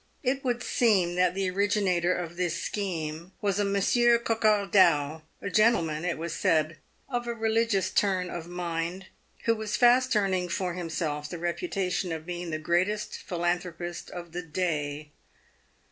It would seem that the originator of this scheme was a Monsieur Coquardau, a gentleman — it was said — of a religious turn of mind, who was fast earning for himself the reputation of being the greatest phi lanthropist of the day.